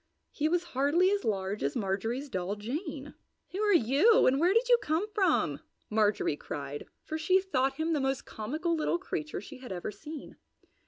He was hardly as large as Marjorie's doll, Jane. "Who are you, and where did you come from?" Marjorie cried, for she thought him the most comical little creature she had ever seen.